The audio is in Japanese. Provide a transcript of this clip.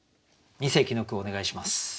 二席の句お願いします。